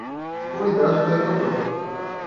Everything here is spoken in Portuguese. Comunidade Taekwondo